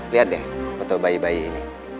lihat deh foto bayi bayi ini